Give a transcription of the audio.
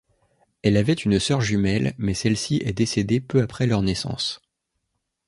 Elle avait une sœur jumelle mais celle-ci est décédée peu après leur naissance.